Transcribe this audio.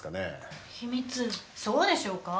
そうでしょうか？